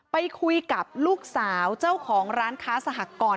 ไปคุยกับลูกสาวเจ้าของร้านค้าสหกร